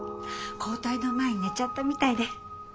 交代の前に寝ちゃったみたいで。